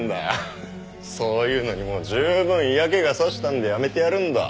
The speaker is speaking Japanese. そういうのにもう十分嫌気が差したんでやめてやるんだ。